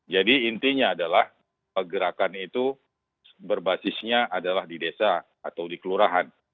jadi intinya adalah pergerakan itu berbasisnya adalah di desa atau di kelurahan